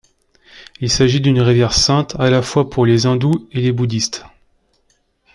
Il s'agit d'une rivière sainte à la fois pour les hindous et les bouddhistes.